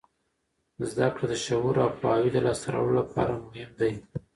زده کړه د شعور او پوهاوي د لاسته راوړلو لپاره مهم دی.